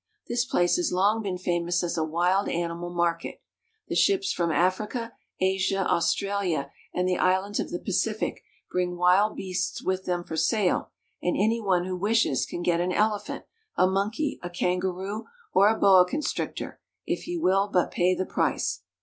This place has long been famous as a wild animal market. The ships from Africa, Asia, Australia, and the islands of the Pacific bring wild beasts with them for sale, and any one who THE SEAPORTS OF GERMANY. 199 wishes can get an elephant, a monkey, a kangaroo, or a boa constrictor, if he will but pay the price.